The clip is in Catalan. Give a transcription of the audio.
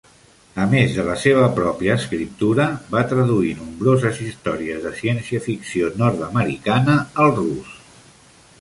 A més de la seva pròpia escriptura, va traduir nombroses històries de ciència-ficció nord-americana al rus.